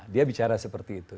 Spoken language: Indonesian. dia bicara seperti itu